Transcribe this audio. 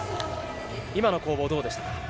今の攻防はどうですか？